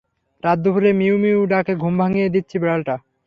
রাতদুপুরে মিউ মিউ ডাকে ঘুম ভাঙিয়ে দিচ্ছে বিড়ালটা।